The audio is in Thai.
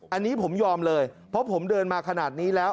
อันนี้ผมยอมเลยเพราะผมเดินมาขนาดนี้แล้ว